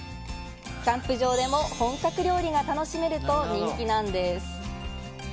キャンプ場で本格料理が楽しめると人気なんです。